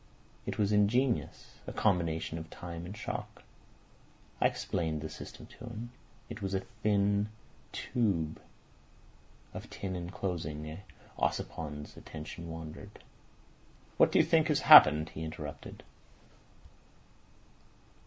It was ingenious—a combination of time and shock. I explained the system to him. It was a thin tube of tin enclosing a—" Ossipon's attention had wandered. "What do you think has happened?" he interrupted.